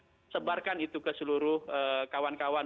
kemudian kita menyebarkan itu ke seluruh kawan kawan